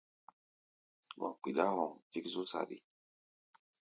Gɔ̧ kpiɗá hoŋ tík zú saɗi.